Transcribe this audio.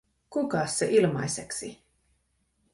Kukas se ilmaiseksi?